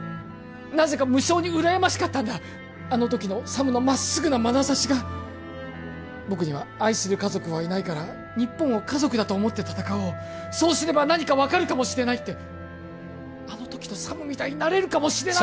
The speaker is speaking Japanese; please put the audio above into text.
なぜか無性にうらやましかったんだあの時のサムのまっすぐなまなざしが僕には愛する家族はいないから日本を家族だと思って戦おうそうすれば何か分かるかもしれないってあの時のサムみたいになれるかもしれないって